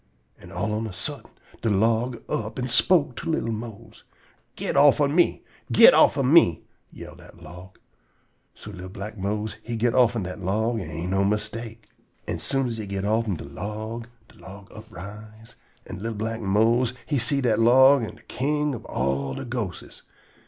An' all on a suddent de log up and spoke to li'l Mose: "Get offen me! Get offen me!" yell dat log. So li'l black Mose he git offen dat log, an' no mistake. An' soon as he git offen de log, de log uprise, an' li'l black Mose he see dat dat log am de king ob all de ghostes.